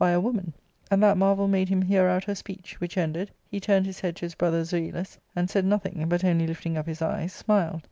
by a woman, and that marvel made him hear out her speech, which ended, he turned his head to his brother Zoilus and said nothing, but only lifting up his eyes, smiled.